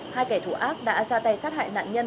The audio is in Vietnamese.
hai kẻ thù ác đã ra tay sát hại nạn nhân